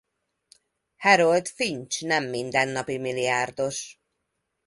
Harold Finch nem mindennapi milliárdos.